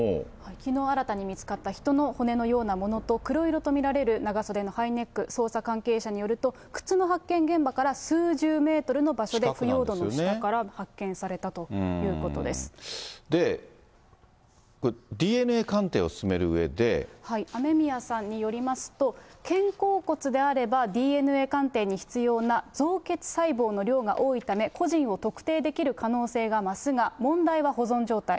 きのう新たに見つかった人の骨のようなものと、黒色と見られる長袖のハイネック、捜査関係者によると、靴の発見現場から数十メートルの場所で腐葉土の下から発見されたで、雨宮さんによりますと、肩甲骨であれば、ＤＮＡ鑑定に必要な造血細胞の量が多いため、個人を特定できる可能性が増すが、問題は保存状態。